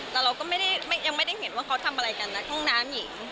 แต่เราก็ไม่ได้ยังไม่ได้เห็นว่าเขาทำอะไรกันนะห้องน้ำหญิง